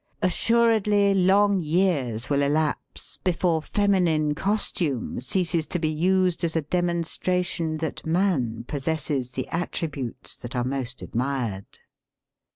Assuredly long years will elapse before femimne costume ceases to be used as a demon stration that man possesses the attributes that arc most admired.